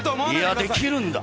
いやできるんだ！